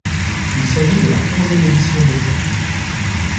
Il s'agit de la onzième édition de l'épreuve.